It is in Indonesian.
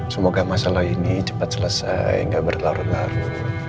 semoga masalah ini cepat selesai gak berlarut larut